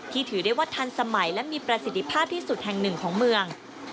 ถือได้ว่าทันสมัยและมีประสิทธิภาพที่สุดแห่งหนึ่งของเมือง